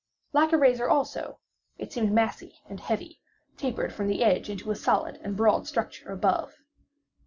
Like a razor also, it seemed massy and heavy, tapering from the edge into a solid and broad structure above.